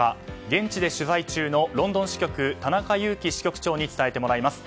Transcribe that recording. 現地で取材中のロンドン支局の田中雄気支局長に伝えてもらいます。